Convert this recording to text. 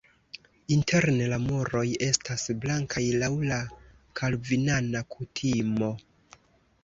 Interne la muroj estas blankaj laŭ la kalvinana kutimo.